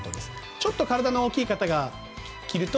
ちょっと体の大きい方が着ると。